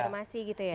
konfirmasi gitu ya